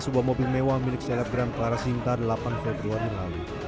sebuah mobil mewah milik selebgram clara sinta delapan februari lalu